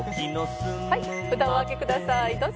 「はい札をお上げくださいどうぞ」